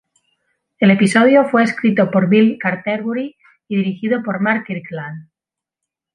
El episodio fue escrito por Bill Canterbury y dirigido por Mark Kirkland.